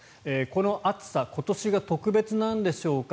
この暑さ今年が特別なんでしょうか？